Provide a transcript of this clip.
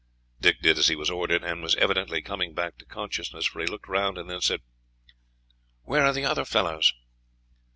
Dick did as he was ordered, and was evidently coming back to consciousness, for he looked round, and then said, "Where are the other fellows?"